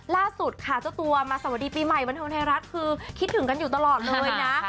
ล่าสุดค่ะเจ้าตัวมาสวัสดีปีใหม่บันเทิงไทยรัฐคือคิดถึงกันอยู่ตลอดเลยนะ